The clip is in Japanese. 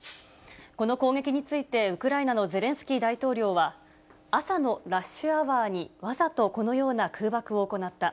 この攻撃についてウクライナのゼレンスキー大統領は、朝のラッシュアワーにわざとこのような空爆を行った。